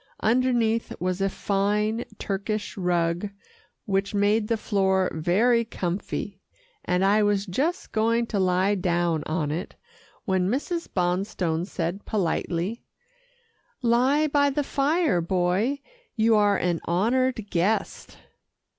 Underneath was a fine Turkish rug which made the floor very comfy, and I was just going to lie down on it, when Mrs. Bonstone said politely, "Lie by the fire, Boy, you are an honoured guest."